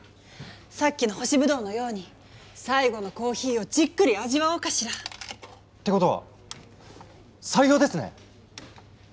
さっきの干しブドウのように最後のコーヒーをじっくり味わおうかしら。ってことは採用ですね？